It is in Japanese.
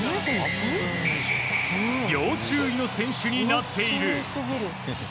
要注意の選手になっている。